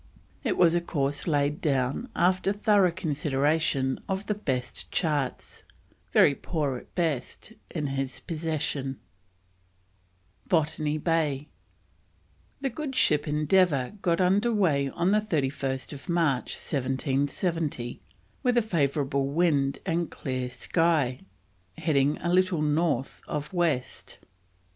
It was a course laid down after thorough consideration of the best charts, very poor at best, in his possession. BOTANY BAY. The good ship Endeavour got under way on 31st March 1770, with a favourable wind and clear sky, heading a little north of west.